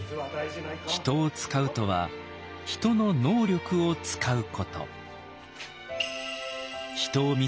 人を使うとは人の能力を使うこと。